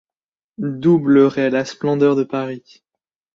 doubleraient la splendeur de Paris.